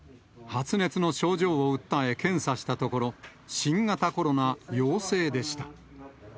発熱の症状を訴え、検査したところ、新型コロナ陽性でした。